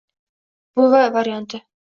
“Buvi” varianti.